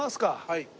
はい。